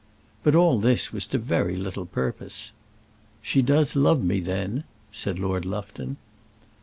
But all this was to very little purpose. "She does love me then?" said Lord Lufton.